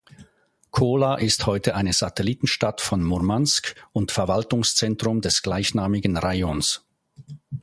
Kola ist heute eine Satellitenstadt von Murmansk und Verwaltungszentrum des gleichnamigen Rajons.